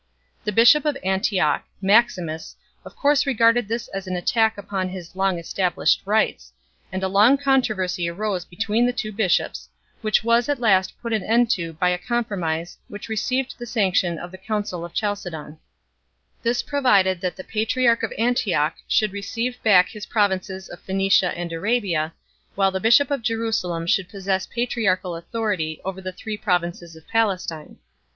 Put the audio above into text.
The bishop of Antioch, Maximus, of course 1 Cune. Chalcedon. c. 28 (Ilar douin ii. 611). 2 Canon 9. 3 Canon 7. The Church and the Empire. 185 regarded this as an attack upon his long established rights, and a long controversy arose between the two bishops, which was at last put an end to by a compromise which received the sanction of the Council of Chalcedon 1 . This provided that the patriarch of Antioch should receive back his provinces of Phoenicia and Arabia, while the bishop of Jerusalem should possess patriarchal authority over the three provinces of Palestine.